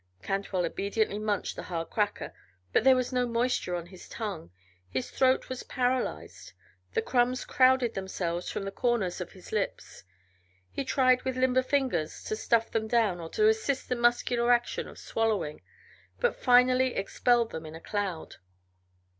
Cantwell obediently munched the hard cracker, but there was no moisture on his tongue; his throat was paralyzed; the crumbs crowded themselves from the corners of his lips. He tried with limber fingers to stuff them down, or to assist the muscular action of swallowing, but finally expelled them in a cloud.